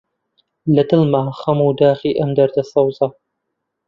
لە دڵما خەم و داخی ئەم دەردە سەوزە: